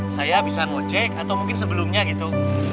saya bisa ngojek atau mungkin sebelumnya gitu